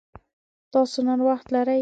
تاسو نن وخت لری؟